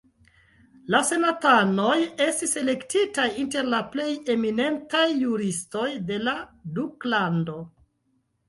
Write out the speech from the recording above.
La senatanoj estis elektitaj inter la plej eminentaj juristoj de la duklando.